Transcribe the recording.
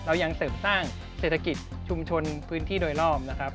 ยังเสริมสร้างเศรษฐกิจชุมชนพื้นที่โดยรอบนะครับ